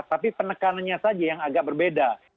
tapi penekanannya saja yang agak berbeda